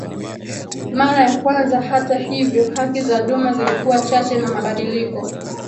mara ya kwanza Hata hivyo haki za duma zilikuwa chache na mabadiliko